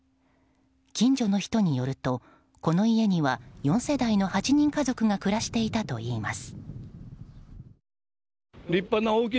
近所の人によるとこの家には４世代の８人家族が暮らしていたといいます。